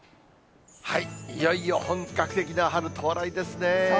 いよいよ本格的な春到来ですね。